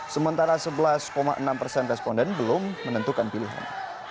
sementara sebelas enam persen responden belum menentukan pilihan